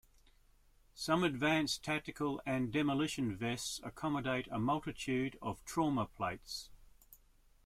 Some advanced tactical and demolition vests accommodate a multitude of trauma plates.